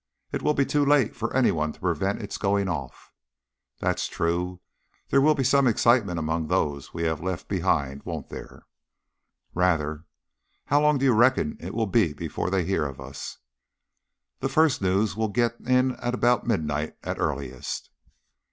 It will be too late for any one to prevent its going off." "That's true. There will be some excitement among those we have left behind, won't there?" "Rather. How long do you reckon it will be before they hear of us?" "The first news will get in at about midnight at earliest."